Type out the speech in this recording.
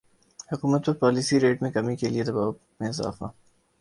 حکومت پر policy rate میں کمی کے لیے دبائو میں اضافہ